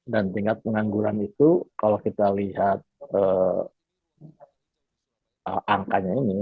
dan tingkat pengangguran itu kalau kita lihat angkanya ini